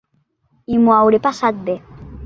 I m'ho hauré passat bé.